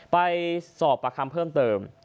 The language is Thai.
ไปสอบประคำเพิ่มเติม